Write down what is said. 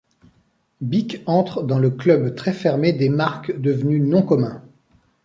Bic entre dans le club très fermé des marques devenues noms communs.